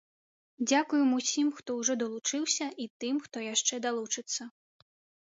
Дзякуем усім, хто ўжо далучыўся, і тым, хто яшчэ далучыцца.